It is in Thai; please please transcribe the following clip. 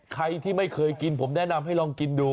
ใครที่ไม่เคยกินผมแนะนำให้ลองกินดู